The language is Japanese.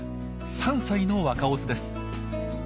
３歳の若オスです。